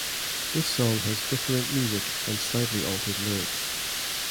This song has different music and slightly altered lyrics.